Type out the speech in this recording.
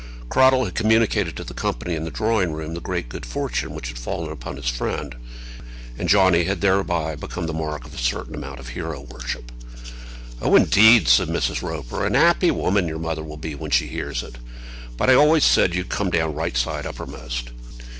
Cradell had communicated to the company in the drawing room the great good fortune which had fallen upon his friend, and Johnny had thereby become the mark of a certain amount of hero worship. "Oh, indeed!" said Mrs. Roper. "An 'appy woman your mother will be when she hears it. But I always said you'd come down right side uppermost."